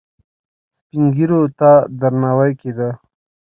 سپین ږیرو ته درناوی کیده